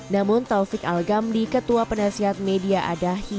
namun taufik al gamdi ketua penasihat media adahi